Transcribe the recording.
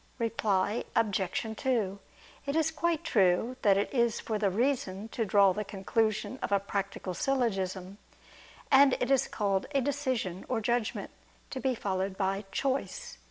Reply Obj. 2: It is quite true that it is for the reason to draw the conclusion of a practical syllogism; and it is called "a decision" or "judgment," to be followed by "choice."